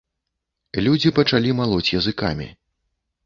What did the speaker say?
Людзі пачалі малоць языкамі.